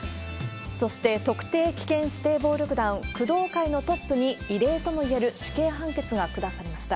そして、特定危険指定暴力団、工藤会のトップに、異例ともいえる死刑判決が下されました。